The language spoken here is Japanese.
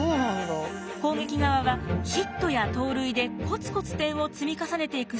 攻撃側はヒットや盗塁でコツコツ点を積み重ねていくスタイル。